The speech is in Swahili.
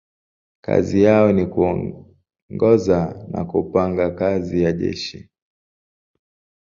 Kazi yao ni kuongoza na kupanga kazi ya jeshi.